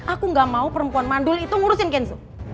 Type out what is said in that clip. aku nggak mau perempuan mandul itu ngurusin kenzo